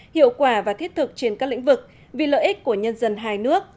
hiệu quả và thiết thực trên các lĩnh vực vì lợi ích của nhân dân hai nước